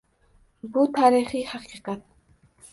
Bu tarixiy haqiqat.